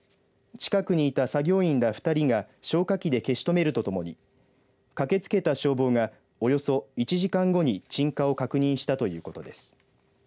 近くにいた作業員ら２人が消火器で消し止めるとともに駆けつけた消防がおよそ１時間後に鎮火を確認したということです。